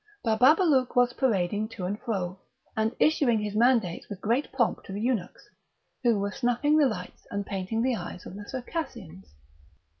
Bababalouk was parading to and fro, and issuing his mandates with great pomp to the eunuchs, who were snuffing the lights and painting the eyes of the Circassians.